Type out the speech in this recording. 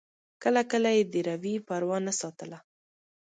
کله کله یې د روي پروا نه ده ساتلې.